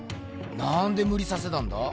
なんでむりさせたんだ？